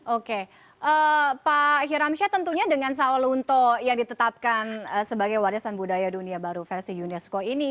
oke pak hiramsyah tentunya dengan sawalunto yang ditetapkan sebagai warisan budaya dunia baru versi unesco ini